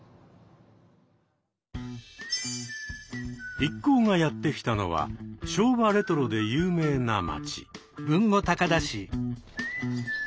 一行がやって来たのは昭和レトロで有名な町。